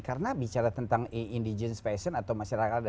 karena bicara tentang indigen fashion atau masyarakat